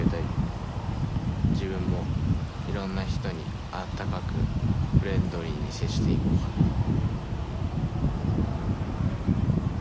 自分もいろんな人に温かくフレンドリーに接していこうかなと。